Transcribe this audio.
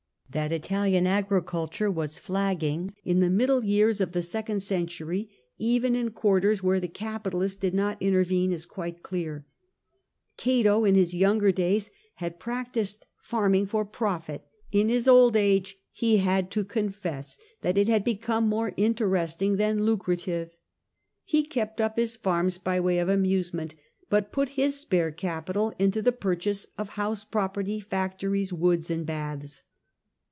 That Italian agriculture was flagging in the middle years of the second century, even in quarters where the capitalist did not intervene, is quite clear. Cato in his younger days had practised farming for profit ; in his old age he had to confess that it had become more interesting than lucrative ; he kept up his farms by way of amuse ment, but put his spare capital into the purchase of house property, factories, woods, and baths.